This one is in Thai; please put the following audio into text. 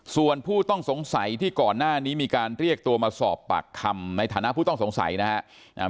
ส่วนผู้ต้องสงสัยที่ก่อนหน้านี้มีการเรียกตัวมาสอบปากคำในฐานะผู้ต้องสงสัยนะครับ